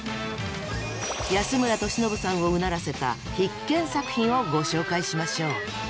安村敏信さんをうならせた必見作品をご紹介しましょう。